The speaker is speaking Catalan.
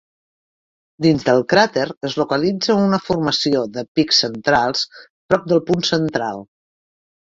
Dins del cràter es localitza una formació de pics centrals prop del punt central.